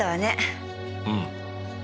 うん。